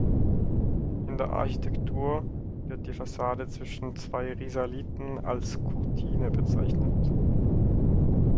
In der Architektur wird die Fassade zwischen zwei Risaliten als „courtine“ bezeichnet.